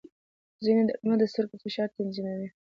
ځینې درمل د سترګو فشار تنظیموي.